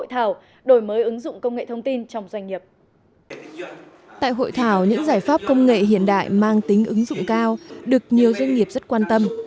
tại hội thảo những giải pháp công nghệ hiện đại mang tính ứng dụng cao được nhiều doanh nghiệp rất quan tâm